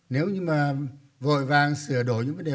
nếu như mà vội vàng sửa đổi những vấn đề